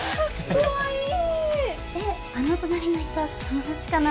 ・あの隣の人友達かな？